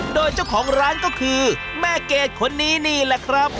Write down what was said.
โดยเจ้าของร้านก็คือแม่เกดคนนี้นี่แหละครับ